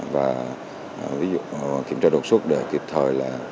và kiểm tra đột xuất để kịp thời